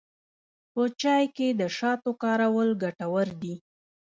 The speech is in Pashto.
په چای کې د شاتو کارول ګټور دي.